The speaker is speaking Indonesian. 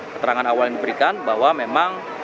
keterangan awal yang diberikan bahwa memang